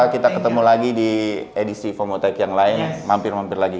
kita ketemu lagi di edisi fomotech yang lain mampir mampir lagi